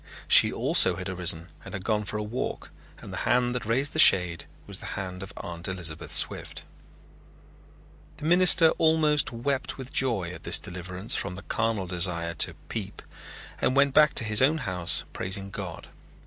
She also had arisen and had gone for a walk and the hand that raised the shade was the hand of Aunt Elizabeth Swift. The minister almost wept with joy at this deliverance from the carnal desire to "peep" and went back to his own house praising God.